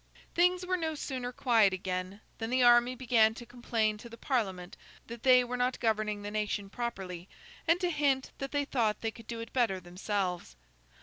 Things were no sooner quiet again, than the army began to complain to the Parliament that they were not governing the nation properly, and to hint that they thought they could do it better themselves.